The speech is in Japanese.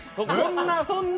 そんな